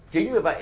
chính vì vậy